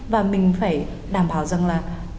và mình phải đảm bảo rằng là